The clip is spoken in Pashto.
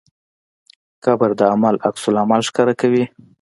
قبر د عمل عکس ښکاره کوي.